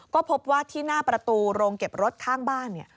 ก็พบว่าที่หน้าประตูโรงเก็บรถข้างบ้านเนี่ย